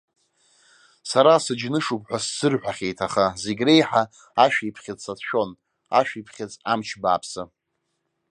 Сара сыџьнышуп ҳәа сзырҳәахьеит, аха зегь реиҳа ашәиԥхьыӡ сацәшәон, ашәиԥхьыӡ амч бааԥсы!